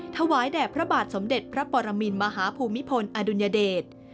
ถวายแด่พระบาทสมเด็จพระปรมินมหาภูมิพลอดุลยเดช